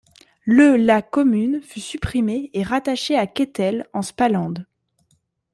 Le la commune fut supprimée et rattachée à Kethel en Spaland.